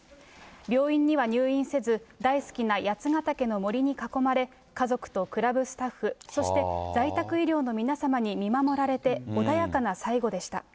病院には入院せず、大好きな八ヶ岳の森に囲まれ、家族とクラブスタッフ、そして在宅医療の皆様に見守られて、穏やかな最期でした。